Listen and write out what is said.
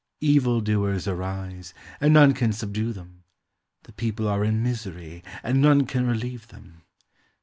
Evil doers arise, and none can subdue them. The people are in misery, and none can relieve them.